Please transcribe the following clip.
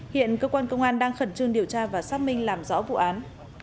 hiện cơ quan công an đang khẩn trương điều tra và xác minh làm rõ vụ án